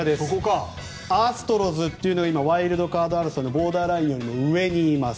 アストロズというのは今、ワイルドカード争いのボーダーラインよりも上にいます